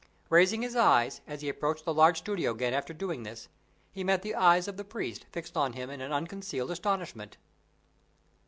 Raising his eyes, as he approached the large studio again after doing this, he met the eyes of the priest fixed on him in unconcealed astonishment.